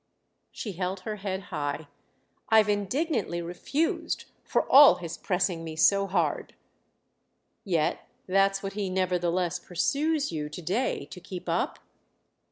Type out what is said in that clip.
She held her head high. "I've indignantly refused—for all his pressing me so hard." "Yet that's what he nevertheless pursues you to day to keep up?"